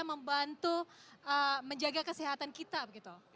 membantu menjaga kesehatan kita begitu